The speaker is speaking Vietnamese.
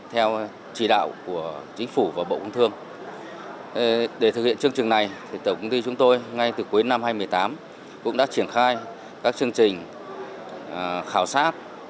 theo chỉ đạo của chính phủ và bộ công thương để thực hiện chương trình này tổng công ty chúng tôi ngay từ cuối năm hai nghìn một mươi tám cũng đã triển khai các chương trình khảo sát